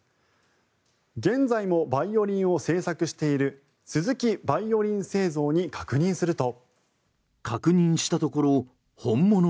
現在もバイオリンを製作している鈴木バイオリン製造に確認すると。